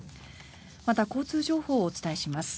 また、交通情報をお伝えします。